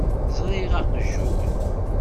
Ẓṛiɣ aqjun.